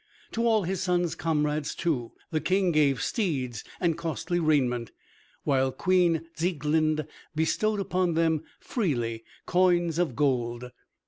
To all his son's comrades, too, the King gave steeds and costly raiment, while Queen Sieglinde bestowed upon them freely coins of gold.